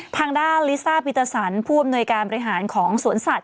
ทางด้านลิซ่าปิตสันผู้อำนวยการบริหารของสวนสัตว